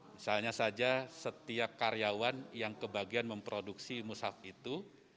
misalnya saja setiap karyawan yang kebagian memproduksi musaf itu